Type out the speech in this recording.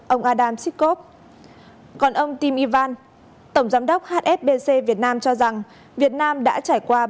ông adam sikov còn ông tim ivan tổng giám đốc hsbc việt nam cho rằng việt nam đã trải qua